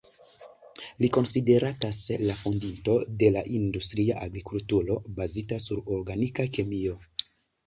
Li konsideratas la fondinto de la industria agrikulturo, bazita sur organika kemio.